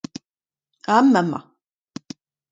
amañ emañ.